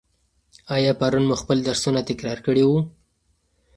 آیا پرون مو خپل درسونه تکرار کړي وو؟